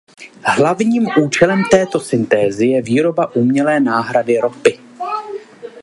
Hlavním účelem této syntézy je výroba umělé náhrady ropy.